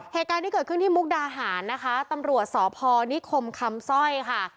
เหตุการณ์ที่เกิดขึ้นที่มุกดาหารนะคะตำรวจสพนิคมคำสร้อยค่ะ